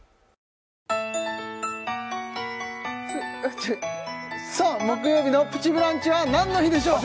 ふちょさあ木曜日の「プチブランチ」は何の日でしょう？